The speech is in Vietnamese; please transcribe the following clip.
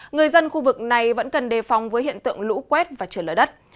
người dân khu vực này vẫn cần đề phòng với hiện tượng lũ quét và trở lỡ đất